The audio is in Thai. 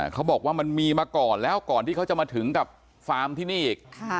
เขาบอกว่ามันมีมาก่อนแล้วก่อนที่เขาจะมาถึงกับฟาร์มที่นี่อีก